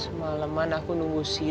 semalam mana aku nunggu sita ma